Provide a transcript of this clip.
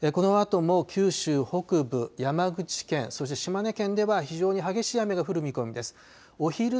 このあとも九州北部、山口県、そして島根県では非常に激しい雨が降る見込みです。